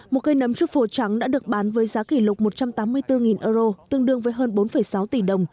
một cây nấm trút phổ trắng đã được bán với giá kỷ lục một trăm tám mươi bốn euro tương đương với hơn bốn sáu tỷ đồng